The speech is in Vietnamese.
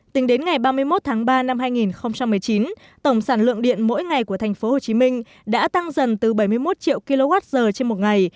tính đến ngày ba mươi một tháng ba năm hai nghìn một mươi chín tổng sản lượng điện mỗi ngày của tp hcm đã tăng dần từ bảy mươi một triệu kwh trên một ngày